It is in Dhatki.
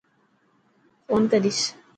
فون ڪريس.